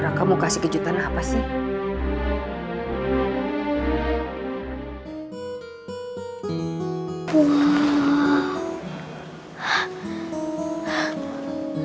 raka mau kasih kejutan apa sih